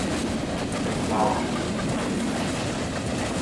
หูเบา